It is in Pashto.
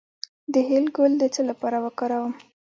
د هل ګل د څه لپاره وکاروم؟